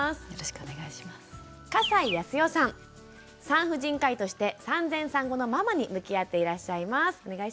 産婦人科医として産前産後のママに向き合っていらっしゃいます。